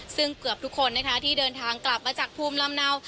ซึ่งเกือบทุกคนนะคะที่เดินทางกลับมาจากภูมิลำเนา